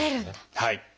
はい。